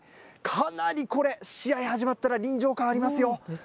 かなりこれ、試合始まったら臨場感ありますよ。